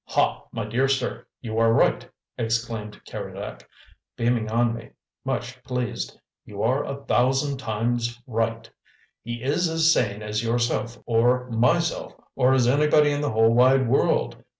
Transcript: "Ha, my dear sir, you are right!" exclaimed Keredec, beaming on me, much pleased. "You are a thousand times right; he is as sane as yourself or myself or as anybody in the whole wide world!